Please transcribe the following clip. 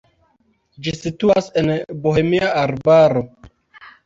Ĝi situas en Bohemia arbaro.